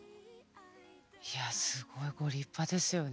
いやすごいご立派ですよね。